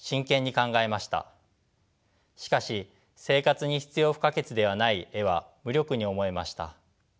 しかし生活に必要不可欠ではない絵は無力に思えました。